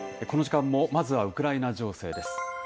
この時間もまずはウクライナ情勢です。